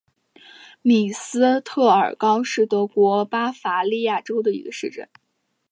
米斯特尔高是德国巴伐利亚州的一个市镇。